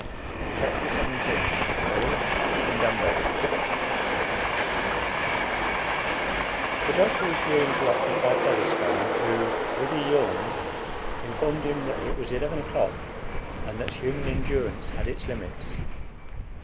CHAPTER XVII BELIEF AND UNBELIEF The doctor was here interrupted by Featherstone, who, with a yawn, informed him that it was eleven o'clock, and that human endurance had its limits.